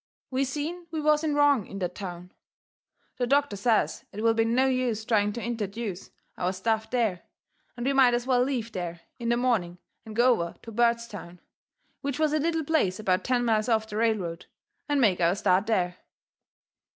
We seen we was in wrong in that town. The doctor says it will be no use trying to interduce our stuff there, and we might as well leave there in the morning and go over to Bairdstown, which was a little place about ten miles off the railroad, and make our start there.